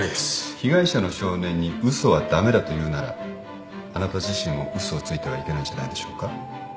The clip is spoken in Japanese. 被害者の少年に嘘は駄目だと言うならあなた自身も嘘をついてはいけないんじゃないでしょうか。